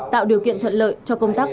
tạo điều kiện thuận lợi cho công tác